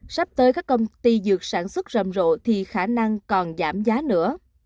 sắp tới các công ty dược sản xuất rầm rộ thì khả năng còn giảm giá nữa